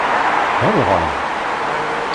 D aẓɣal?